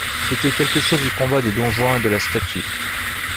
C’était quelque chose du combat de don Juan et de la statue.